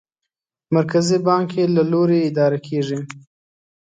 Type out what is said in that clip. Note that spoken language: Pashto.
مرکزي بانک یې له لوري اداره کېږي.